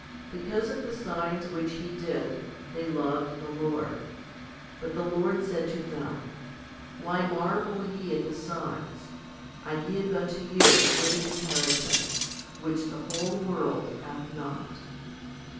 Because of the signs which He did, they loved the Lord. But the Lord said to them, " Why marvel ye at the signs ? I give unto you a great inheritance, which the whole world hath not."